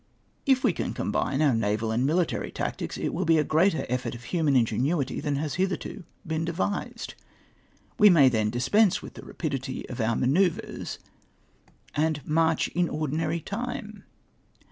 " If we can combine our naval and military tactics, it will be a greater effort of human ingenuity than has hitherto been devised. We may then dispense with the rapidity of our manoeuvres and "march in ordinary time.''